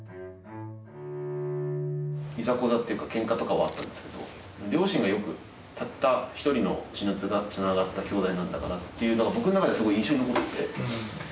いざこざっていうかケンカとかはあったんですけど両親がよくたった一人の血のつながった兄弟なんだからっていうのが僕の中ですごい印象に残ってて。